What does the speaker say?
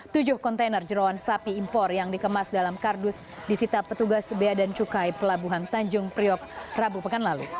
tujuh kontainer jerawan sapi impor yang dikemas dalam kardus disita petugas bea dan cukai pelabuhan tanjung priok rabu pekan lalu